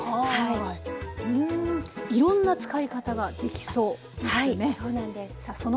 いろんな使い方ができそうですね。